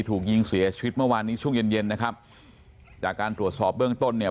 ถูกยิงเสียชีวิตเมื่อวานนี้ช่วงเย็นเย็นนะครับจากการตรวจสอบเบื้องต้นเนี่ย